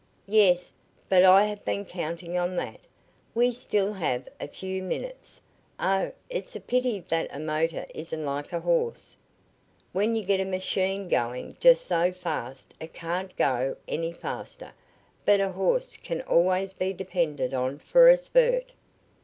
"Yes, but I have been counting on that. We still have a few minutes. Oh, isn't it a pity that a motor isn't like a horse? When you get a machine going just so fast it can't go any faster, but a horse can always be depended on for a spurt."